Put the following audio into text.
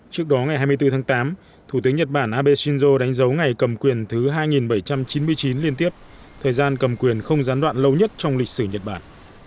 trước đó ngày hai mươi bốn tháng tám thủ tướng nhật bản abe shinzo đánh dấu ngày cầm quyền thứ hai bảy trăm chín mươi chín liên tiếp thời gian cầm quyền không gián đoạn lâu nhất trong lịch sử nhật bản